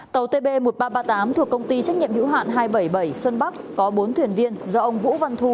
tàu tb một nghìn ba trăm ba mươi tám thuộc công ty trách nhiệm hữu hạn hai trăm bảy mươi bảy xuân bắc có bốn thuyền viên do ông vũ văn thu